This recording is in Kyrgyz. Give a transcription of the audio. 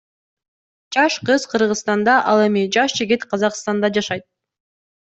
Жаш кыз Кыргызстанда ал эми жаш жигит Казакстанда жашайт.